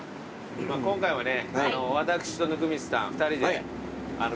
今回はね。